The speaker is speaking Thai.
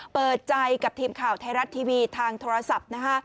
เปิดใจกับทีมข่าวไทยรัฐทีวีทางโทรศัพท์นะคะ